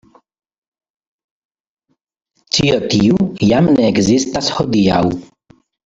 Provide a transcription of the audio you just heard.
Ĉio tiu jam ne ekzistas hodiaŭ.